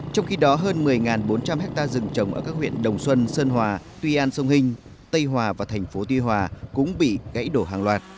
trong khi đó hơn một mươi bốn trăm linh hectare rừng trồng ở các huyện đồng xuân sơn hòa tuy an sông hình tây hòa và thành phố tuy hòa cũng bị gãy đổ hàng loạt